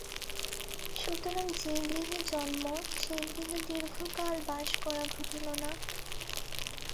সুতরাং যে গৃহে জন্ম সে গৃহে দীর্ঘকাল বাস করা ঘটিল না।